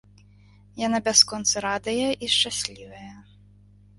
Яна бясконца радая і шчаслівая.